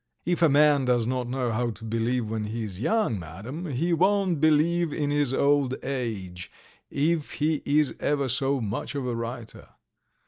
"If a man does not know how to believe when he is young, Madam, he won't believe in his old age if he is ever so much of a writer."